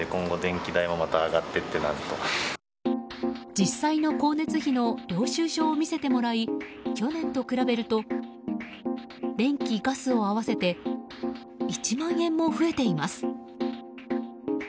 実際の光熱費の領収書を見せてもらい去年と比べると電気・ガスを合わせて１万円も増えています。